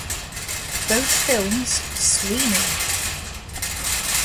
Both films, Sweeney!